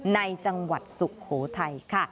ในจังหวัดสุโขทัยค่ะ